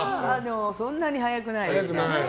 そんなに速くないです、私。